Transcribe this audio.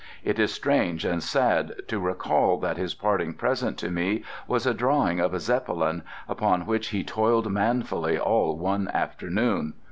It is strange and sad to recall that his parting present to me was a drawing of a Zeppelin, upon which he toiled manfully all one afternoon.